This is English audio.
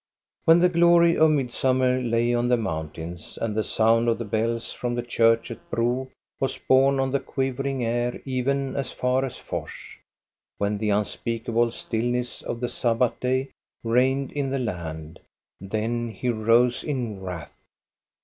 When the glory of midsummer lay on the moun tains and the sound of the bells from the church at Bro was borne on the quivering air even as far as Fors, when the unspeakable stillness of the Sabbath day reigned in the land, then he rose in wrath.